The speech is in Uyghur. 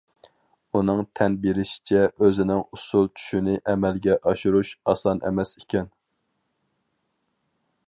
ئۇنىڭ تەن بېرىشىچە ئۆزىنىڭ ئۇسسۇل چۈشىنى ئەمەلگە ئاشۇرۇش ئاسان ئەمەس ئىكەن.